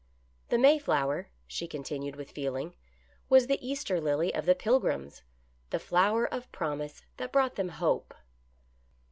" The Mayflower," she continued, with feeling, " was the Easter Lily of the Pilgrims ; the flower of promise that brought them hope."